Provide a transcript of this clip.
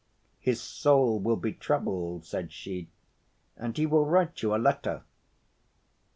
His soul will be troubled,' she said, 'and he will write you a letter.